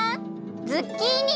ズッキーニ！